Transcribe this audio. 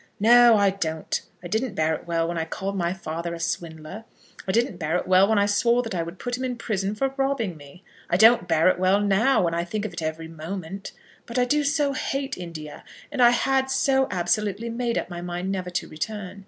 "No, I don't. I didn't bear it well when I called my father a swindler. I didn't bear it well when I swore that I would put him in prison for robbing me. I don't bear it well now, when I think of it every moment. But I do so hate India, and I had so absolutely made up my mind never to return.